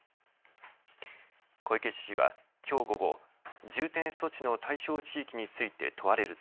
小池知事はきょう午後、重点措置の対象地域について問われると。